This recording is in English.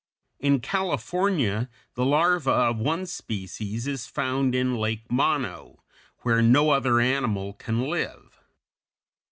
In California the larva of one species is found in Lake Mono, where no other animal can live.